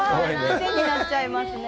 クセになっちゃいますね。